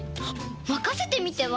まかせてみては？